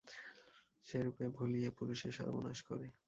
সে রূপে ভুলিয়ে পুরুষের সর্বনাশ করে।